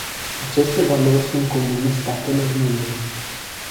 Aceste valori sunt comune statelor membre.